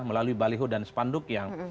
melalui baliho dan spanduk yang